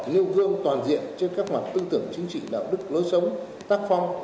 nêu gương toàn diện trên các mặt tư tưởng chính trị đạo đức lối sống tác phong